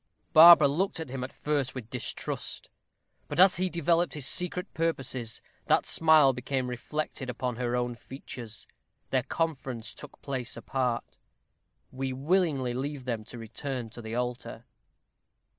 Barbara looked at him at first with distrust; but as he developed his secret purposes, that smile became reflected upon her own features. Their conference took place apart. We willingly leave them to return to the altar.